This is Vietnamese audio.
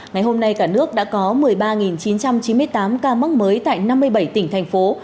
ngày hôm nay cả nước đã có một mươi ba chín trăm chín mươi tám ca mắc mới tại năm mươi bảy tỉnh thành phố